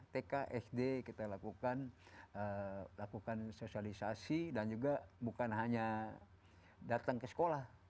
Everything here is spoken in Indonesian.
tk sd kita lakukan lakukan sosialisasi dan juga bukan hanya datang ke sekolah